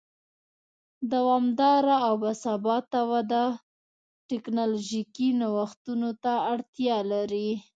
دوامداره او با ثباته وده ټکنالوژیکي نوښتونو ته اړتیا لري.